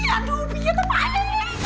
aduh biar kepaling